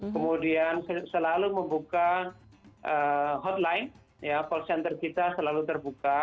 kemudian selalu membuka hotline ya call center kita selalu terbuka